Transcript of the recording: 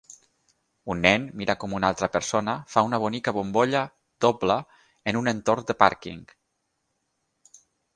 Un nen mira com una altra persona fa una bonica bombolla doble en un entorn de pàrquing.